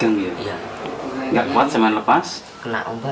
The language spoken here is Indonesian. kena ombak sudah tidak merasa